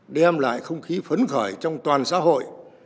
đem lại không khí phấn khởi trong toàn xã hội